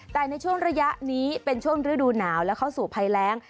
แต่ในช่วงระยะนี้เป็นช่วงฤดูหนาวและเข้าสู่ภัยแรง